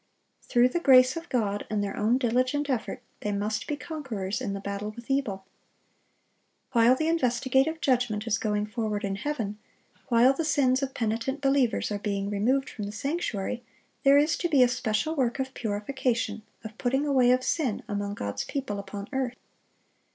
Through the grace of God and their own diligent effort, they must be conquerors in the battle with evil. While the investigative judgment is going forward in heaven, while the sins of penitent believers are being removed from the sanctuary, there is to be a special work of purification, of putting away of sin, among God's people upon earth.